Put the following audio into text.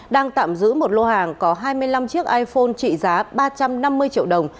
đang tạm giữ một lô hàng có hai mươi năm chiếc iphone trị giá ba trăm năm mươi triệu đồng